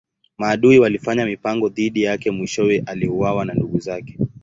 Maadui walifanya mipango dhidi yake mwishowe aliuawa na ndugu zake.